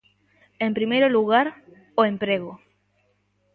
En primeiro lugar, o emprego.